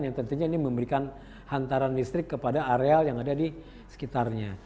yang tentunya ini memberikan hantaran listrik kepada areal yang ada di sekitarnya